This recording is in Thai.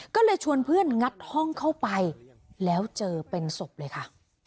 ก็เลยชวนเพื่อนงัดห้องเข้าไปแล้วเจอเป็นศพเลยค่ะ